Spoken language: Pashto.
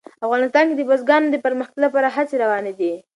افغانستان کې د بزګانو د پرمختګ لپاره هڅې روانې دي.